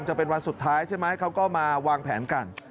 จะเป็นวันสุดท้ายใช่ไหมเขาก็มาวางแผนกัน